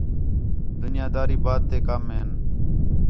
دُنیاں داری بعد تے کَم ہِن